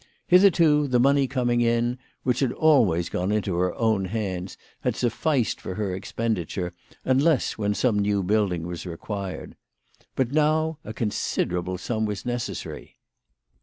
Hitherto the money coming in, which had always gone into her own hands, had sufliced for her expenditure, unless when some new building was required. But now a considerable sum was necessary.